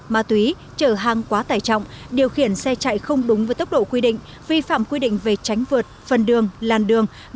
ma túy trở hàng quá tải trọng điều khiển xe chạy không đúng với tốc độ quy định vi phạm quy định về tránh vượt phần đường làn đường